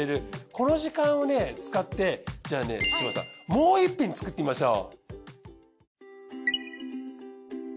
この時間をね使ってじゃあね志真さんもう一品作ってみましょう。